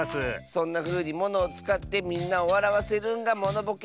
そんなふうにものをつかってみんなをわらわせるんがモノボケ。